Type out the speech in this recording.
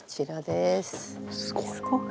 すごい。